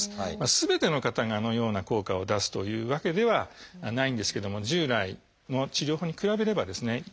すべての方があのような効果を出すというわけではないんですけども従来の治療法に比べればですね有効性が高いと。